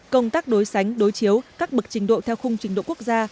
công tác đối sánh đối chiếu các bậc trình độ theo khung trình độ quốc gia